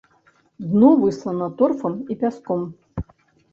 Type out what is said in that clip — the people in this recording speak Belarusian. Дно выслана торфам і пяском.